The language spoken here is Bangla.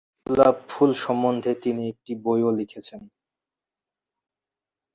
গোলাপ ফুল সম্বন্ধে তিনি একটি বইও লিখেছেন।